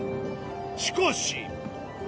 しかし。